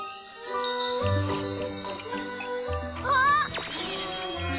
あっ！